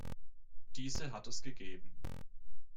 Diese hat es gegeben.